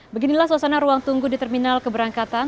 beginilah suasana ruang tunggu di terminal keberangkatan